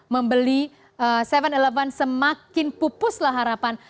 membeli seven eleven semakin pupuslah harapan